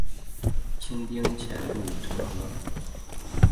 清兵潜渡城河。